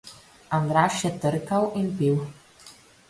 Andraž je trkal in pil.